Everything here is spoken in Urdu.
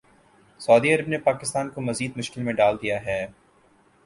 سعودی عرب نے پاکستان کو مزید مشکل میں ڈال دیا ہے